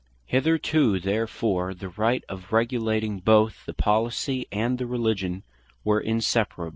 Hitherto therefore the Right of Regulating both the Policy, and the Religion, were inseparable.